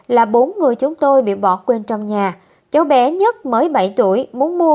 là bốn người chúng tôi bị bỏ quên trong nhà cháu bé nhất mới bảy tuổi muốn mua